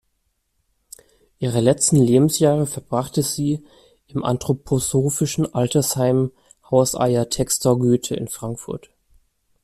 Ihre letzten Lebensjahre verbrachte sie im anthroposophischen Altersheim „Haus Aja Textor-Goethe“ in Frankfurt.